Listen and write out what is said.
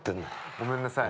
ごめんなさい。